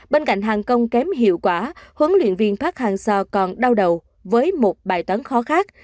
bên cạnh hàng công kém hiệu quả huấn luyện viên park hang seo còn đau đầu với một bài toán khó khác